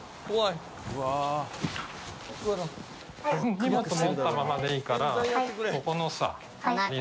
荷物持ったままでいいからここのさ。